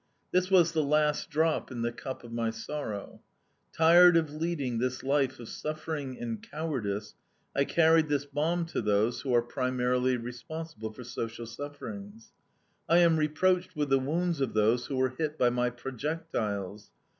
This was the last drop in the cup of my sorrow. Tired of leading this life of suffering and cowardice, I carried this bomb to those who are primarily responsible for social sufferings. "I am reproached with the wounds of those who were hit by my projectiles.